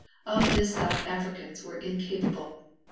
Of this South Africans were incapable.